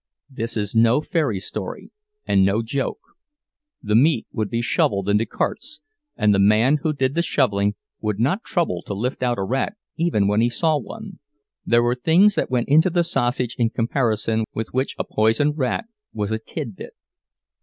This is no fairy story and no joke; the meat would be shoveled into carts, and the man who did the shoveling would not trouble to lift out a rat even when he saw one—there were things that went into the sausage in comparison with which a poisoned rat was a tidbit.